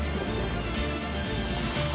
あ。